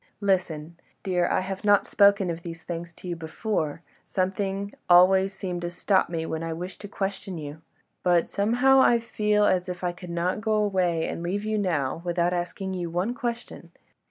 Listen, dear, I have not spoken of these things to you before; something always seemed to stop me when I wished to question you. But, somehow, I feel as if I could not go away and leave you now without asking you one question.